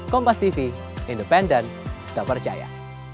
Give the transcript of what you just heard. kompastv independen tak percaya